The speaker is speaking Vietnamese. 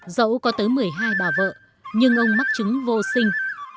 dẫu có tới một mươi hai bà vợ nhưng ông mắc chứng vô sinh